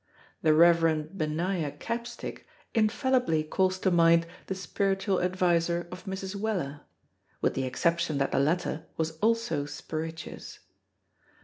The Reverend Benaiah Capstick infallibly calls to mind the spiritual adviser of Mrs. Weller; with the exception that the latter was also spirituous.